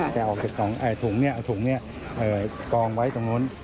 แกะออกจากกล่องถุงนี่เอาถุงนี่กล่องไว้ตรงนู้น